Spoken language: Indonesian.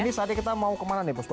ini saatnya kita mau kemana nih posko